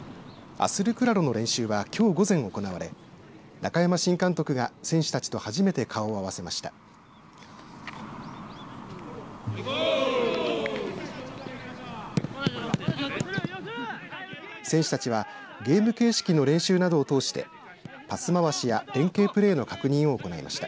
アスルクラロの練習はきょう午前行われ中山新監督が選手たちと初めて顔を合わせました。